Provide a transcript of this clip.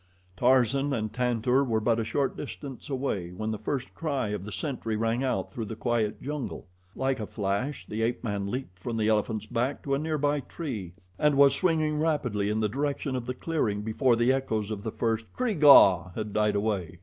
Tarzan and Tantor were but a short distance away when the first cry of the sentry rang out through the quiet jungle. Like a flash the ape man leaped from the elephant's back to a near by tree and was swinging rapidly in the direction of the clearing before the echoes of the first "Kreeg ah" had died away.